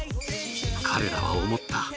彼らは思った。